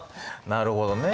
なるほどね。